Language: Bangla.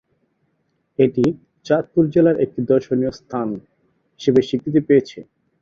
এটি চাঁদপুর জেলার একটি দর্শনীয় স্থান হিসেবে স্বীকৃতি পেয়েছে।